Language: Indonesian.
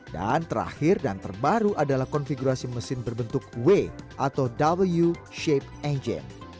dan terakhir dan terbaru adalah konfigurasi mesin berbentuk w atau w shape engine